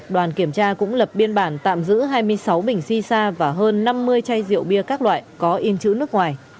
đoàn kiểm tra cũng lập biên bản tạm giữ hai mươi sáu bình xì xa và hơn năm mươi chai rượu bia các loại có in chữ nước ngoài